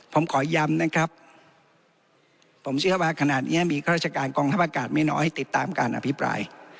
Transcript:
ผมขอย้ำนะครับผมเชื่อว่าขนาดนี้มีข้าราชการกองทัพอากาศไม่น้อยติดตามการอภิปราย